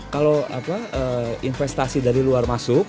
kalau investasi dari luar masuk